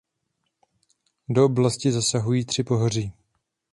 Do oblasti zasahují tři pohoří.